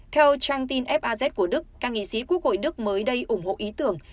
theo trang tin faz của đức các nghị sĩ quốc hội đức mới đây ủng hộ ý tưởng